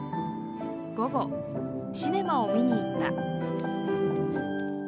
「午後、シネマを観に行った。